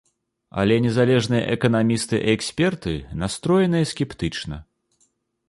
Але незалежныя эканамісты і эксперты настроеныя скептычна.